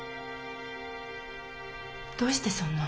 どうしてそんな？